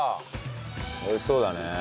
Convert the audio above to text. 美味しそうだね。